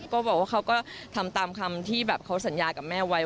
ก็บอกว่าเขาก็ทำตามคำที่แบบเขาสัญญากับแม่ไว้